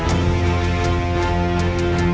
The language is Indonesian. kurang ajar kau guru